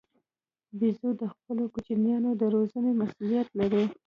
بیزو د خپلو کوچنیانو د روزنې مسوولیت لري.